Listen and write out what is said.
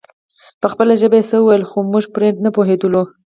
په خپله ژبه يې څه ويل خو موږ پرې نه پوهېدلو.